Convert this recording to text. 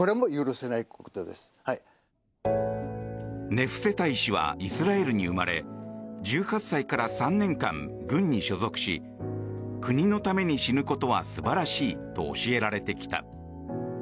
ネフセタイ氏はイスラエルに生まれ１８歳から３年間、軍に所属し国のために死ぬことは素晴らしいと教えられてきた。